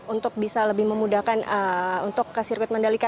untuk bisa lebih memudahkan untuk ke sirkuit mandalika